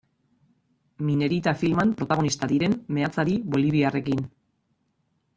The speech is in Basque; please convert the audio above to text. Minerita filman protagonista diren meatzari boliviarrekin.